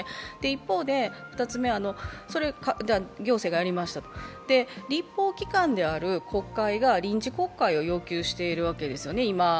一方で、２つ目、立法機関である国会が臨時国会を要求しているわけですよね。